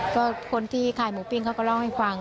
ก็คนที่ขายหมูปิ้งเขาก็เล่าให้ฟัง